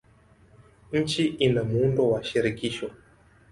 Nchi ina muundo wa shirikisho.